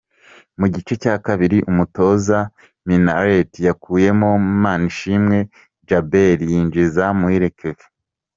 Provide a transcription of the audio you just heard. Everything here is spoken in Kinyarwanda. Mu gice cya kabiri umutoza Minnaert yakuyemo Manishimwe Djabel yinjiza Muhire Kevin.